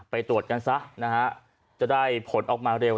ไปตรวจกันซะนะฮะจะได้ผลออกมาเร็ว